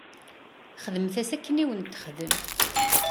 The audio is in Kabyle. Xdemt-as akken i wen-texdem.